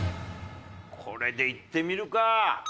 これでいってみるか。